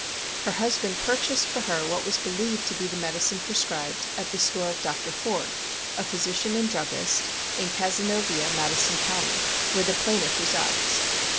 Her husband purchased for her what was believed to be the medicine prescribed, at the store of Dr. Foord, a physician and druggist, in Cazenovia, Madison Co., where the plaintiff resides.